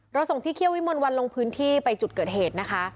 ส่งพี่เคี่ยววิมลวันลงพื้นที่ไปจุดเกิดเหตุนะคะ